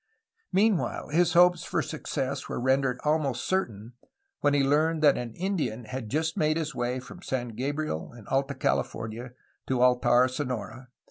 Meanwhile his hopes for success were rendered almost certain when he learned that an Indian had just made his way from San Gabriel in Alta California to Altar, Sonora.